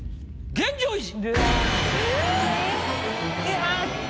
現状維持。